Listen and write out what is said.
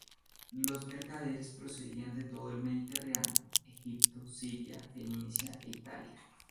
Los mercaderes procedían de todo el mediterráneo: Egipto, Siria, Fenicia e Italia.